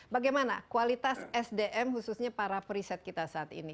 bagaimana kualitas sdm khususnya para periset kita saat ini